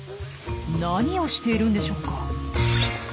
何をしているんでしょうか？